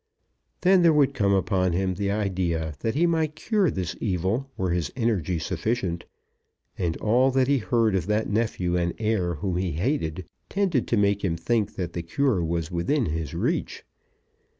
Then there would come upon him the idea that he might cure this evil were his energy sufficient; and all that he heard of that nephew and heir, whom he hated, tended to make him think that the cure was within his reach.